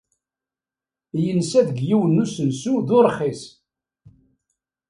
Yensa deg yiwen n usensu d urxis.